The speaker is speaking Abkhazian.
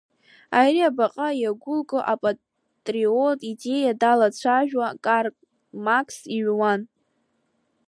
Ари абаҟа иагәылгоу апатриоттә идеиа далацәажәауа, Карл Маркс иҩуан…